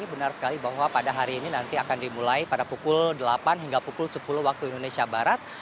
benar sekali bahwa pada hari ini nanti akan dimulai pada pukul delapan hingga pukul sepuluh waktu indonesia barat